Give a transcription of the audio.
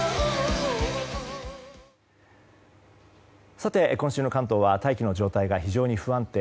さて、今週の関東は大気の状態が非常に不安定。